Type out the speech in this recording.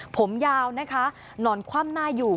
ผมยาวนะคะนอนคว่ำหน้าอยู่